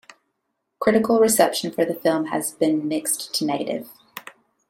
Critical reception for the film has been mixed to negative.